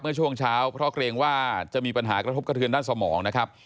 เมื่อช่วงเช้าเพราะเกรงว่าจะมีปัญหากระทบกระเทือนด้านสมองนะครับ